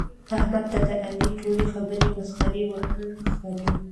احمد ته د علي ټولې خبرې مسخرې وهل ښکاري.